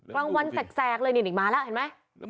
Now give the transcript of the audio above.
บางวันแซอะแซะเลยหงีนอีกมาละเห็นม้ะ